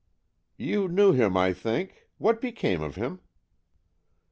"You knew him, I think. What became of him.